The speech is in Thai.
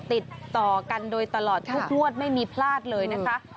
ติดต่อกันโดยตลอดทุกงวดไม่มีพลาดเลยนะคะ